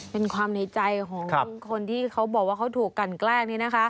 เป็นความในใจของคนที่เขาบอกว่าเขาถูกกันแกล้งนี้นะคะ